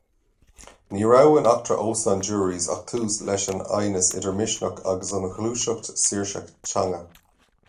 Ní raibh in eachtra óstán Jurys ach tús leis an aighneas idir Misneach agus an Ghluaiseacht Saoirse Teanga.